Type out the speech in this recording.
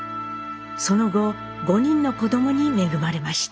その後５人の子どもに恵まれました。